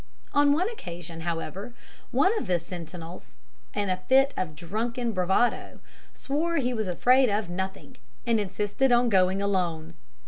On one occasion, however, one of the sentinels, in a fit of drunken bravado, swore he was afraid of nothing, and insisted on going alone.